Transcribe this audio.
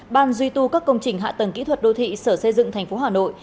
ban duy tu các công trình hạ tầng kỹ thuật đô thị sở xây dựng thành phố hà nội